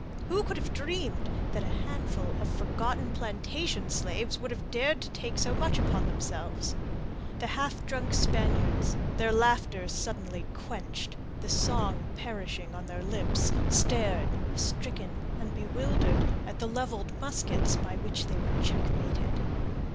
Who could have dreamed that a handful of forgotten plantation slaves would have dared to take so much upon themselves? The half drunken Spaniards, their laughter suddenly quenched, the song perishing on their lips, stared, stricken and bewildered at the levelled muskets by which they were checkmated.